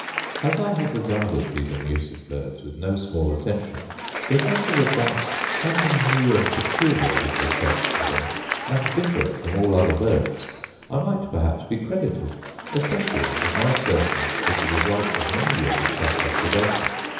As I have regarded these amusive birds with no small attention, if I should advance something new and peculiar with respect to them, and different from all other birds, I might perhaps be credited; especially as my assertion is the result of many years' exact observation.